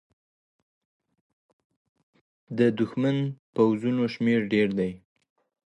د دښمن د پوځونو شمېر ډېر دی.